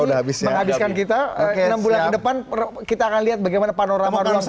untuk menghabiskan kita enam bulan ke depan kita akan lihat bagaimana panorama ruang publik